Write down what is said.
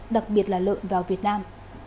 đặc biệt là lợn vào việt nam